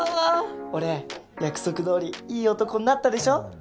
俺約束どおりいい男になったでしょ？